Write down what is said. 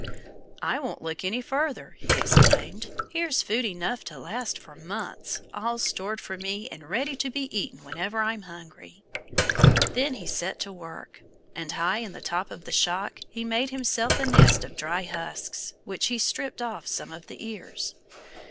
"I won't look any further," he exclaimed. "Here's food enough to last for months, all stored for me and ready to be eaten whenever I'm hungry." Then he set to work. And high in the top of the shock he made himself a nest of dry husks, which he stripped off some of the ears.